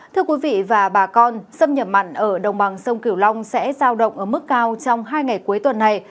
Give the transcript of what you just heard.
thưa quý vị và bà con xâm nhập mặn ở đồng bằng sông kiểu long sẽ giao động ở mức cao trong hai ngày cuối tuần này